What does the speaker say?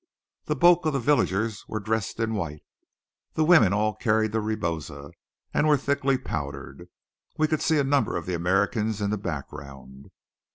The bulk of the villagers were dressed in white. The women all carried the rebosa, and were thickly powdered. We could see a number of the Americans in the background.